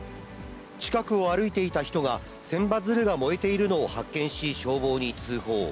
近くを歩いていた人が、千羽鶴が燃えているのを発見し、消防に通報。